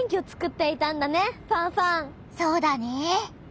そうだね。